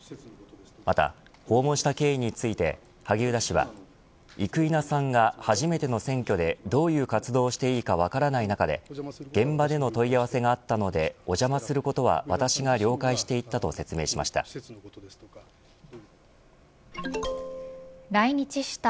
また、訪問した経緯について萩生田氏は生稲さんが初めての選挙でどういう活動をしていいか分からない中で現場での問い合わせがあったのでお邪魔することを私が了解して行ったと説明しました。